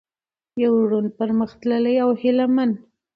د يو روڼ، پرمختللي او هيله من